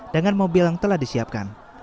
dengan mobil yang telah disiapkan